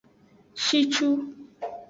Shicu.